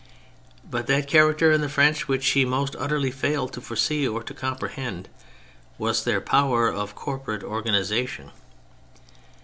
But that character in the French which she most utterly failed to foresee or to comprehend, was their power of corporate organisation.